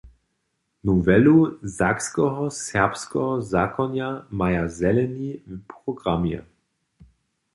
Nowelu sakskeho serbskeho zakonja maja Zeleni w programje.